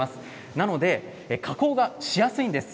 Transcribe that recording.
なので加工がしやすいんです。